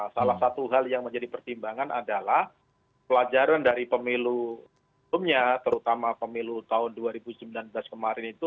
salah satu hal yang menjadi pertimbangan adalah pelajaran dari pemilu terutama pemilu tahun dua ribu sembilan belas kemarin itu